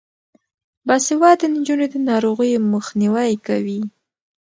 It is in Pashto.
باسواده نجونې د ناروغیو مخنیوی کوي.